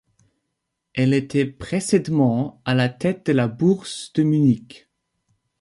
Elle était précédemment à la tête de la Bourse de Munich.